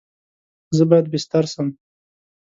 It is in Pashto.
زه باید بیستر سم؟